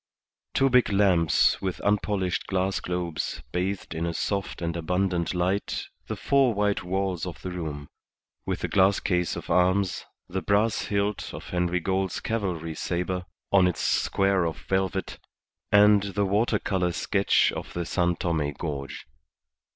Two big lamps with unpolished glass globes bathed in a soft and abundant light the four white walls of the room, with a glass case of arms, the brass hilt of Henry Gould's cavalry sabre on its square of velvet, and the water colour sketch of the San Tome gorge.